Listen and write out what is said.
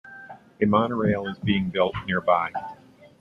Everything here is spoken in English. A monorail is being built nearby.